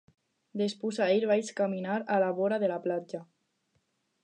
Despús-ahir vaig caminar a la vora de la platja.